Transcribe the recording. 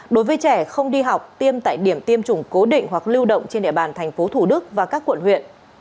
đối với trẻ không đi học tiêm tại điểm tiêm chủng cố định hoặc lưu động trên địa bàn thành phố thủ đức và các quận huyện